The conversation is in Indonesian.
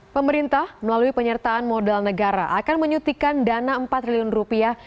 pemerintah melalui penyertaan modal negara akan menyutikan dana empat triliun rupiah